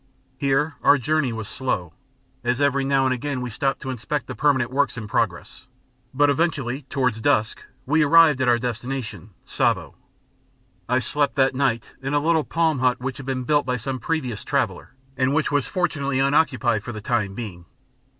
Here our journey was slow, as every now and again we stopped to inspect the permanent works in progress; but eventually, towards dusk, we arrived at our destination, Tsavo. I slept that night in a little palm hut which had been built by some previous traveller, and which was fortunately unoccupied for the time being.